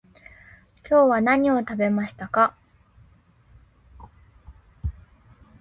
今日は何を食べましたか？